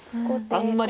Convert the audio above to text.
あんまり